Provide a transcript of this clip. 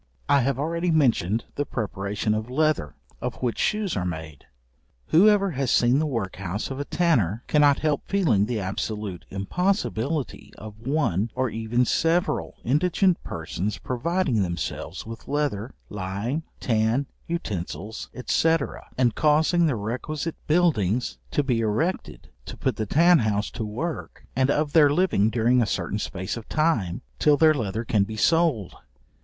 I have already mentioned the preparation of leather, of which shoes are made. Whoever has seen the workhouse of a tanner, cannot help feeling the absolute impossibility of one, or even several indigent persons providing themselves with leather, lime, tan, utensils, &c. and causing the requisite buildings to be erected to put the tan house to work, and of their living during a certain space of time, till their leather can be sold.